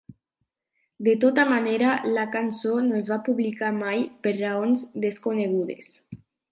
De tota manera, la cançó no es va publicar mai per raons desconegudes.